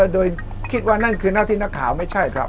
โดยคิดว่านั่นคือหน้าที่นักข่าวไม่ใช่ครับ